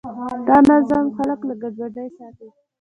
دا نظم خلک له ګډوډۍ ساتي.